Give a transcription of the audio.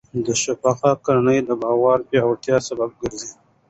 شفافه کړنلاره د باور پیاوړتیا سبب ګرځي.